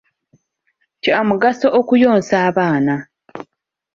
Kya mugaso okuyonsa abaana.